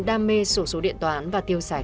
đam mê sổ số điện toán và tiêu sải